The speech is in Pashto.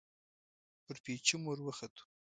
پر پېچومو ور وختو.